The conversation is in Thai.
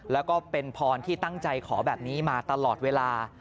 แล้วก็เป็นพรที่ตั้งใจขอแบบนี้มาตลอดเวลา